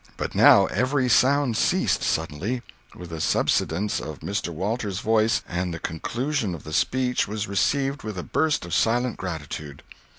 But now every sound ceased suddenly, with the subsidence of Mr. Walters' voice, and the conclusion of the speech was received with a burst of silent gratitude.